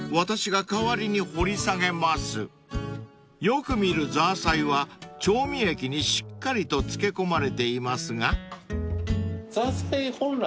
［よく見るザーサイは調味液にしっかりと漬け込まれていますが］